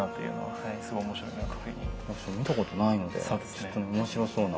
見たことないのでちょっと面白そうな。